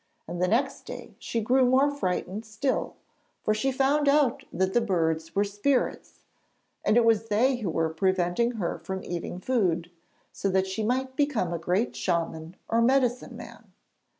And the next day she grew more frightened still, for she found out that the birds were spirits, and it was they who were preventing her from eating food, so that she might become a great shaman or medicine man.